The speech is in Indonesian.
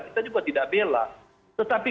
kita juga tidak bela tetapi